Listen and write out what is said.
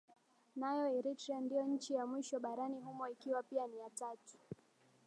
Nayo Eritrea ndio nchi ya mwisho barani humo ikiwa pia ni ya tatu